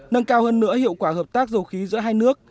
nâng cao hơn nữa hiệu quả hợp tác dầu khí giữa hai nước